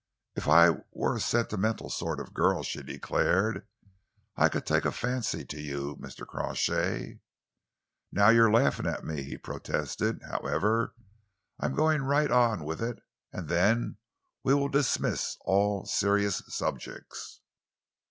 "If I were a sentimental sort of girl," she declared, "I could take a fancy to you, Mr. Crawshay." "Now you're laughing at me," he protested. "However, I'm going right on with it and then we will dismiss all serious subjects.